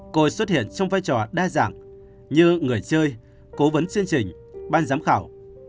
cô xuất hiện trong vai trò đa dạng như người chơi cố vấn chương trình ban giám khảo